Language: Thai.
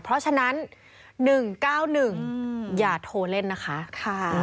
เพราะฉะนั้น๑๙๑อย่าโทรเล่นนะคะ